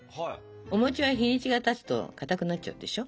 お餅は日にちがたつとかたくなっちゃうでしょ？